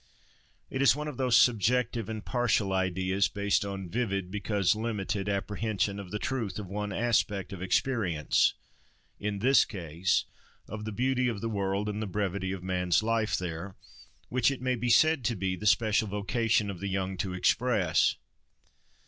It is one of those subjective and partial ideals, based on vivid, because limited, apprehension of the truth of one aspect of experience (in this case, of the beauty of the world and the brevity of man's life there) which it may be said to be the special vocation of the young to express.